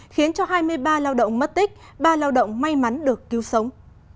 khiến cho hai mươi ba lao động mất tích ba lao động may mắn được cứu sống